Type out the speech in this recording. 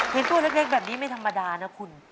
ตัวเล็กแบบนี้ไม่ธรรมดานะคุณ